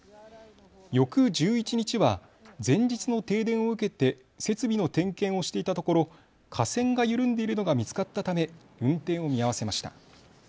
翌１１日は前日の停電を受けて設備の点検をしていたところ架線が緩んでいるのが見つかったため運転を見合わせました。